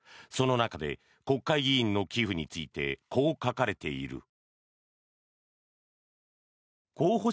その中で国会議員の寄付についてこう書かれている。